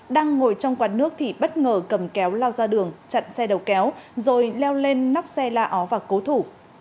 đang ngồi trong quán nước thì bất ngờ cầm kéo lao ra đường chặn xe đầu kéo rồi leo lên nóc xe la ó và cố thủ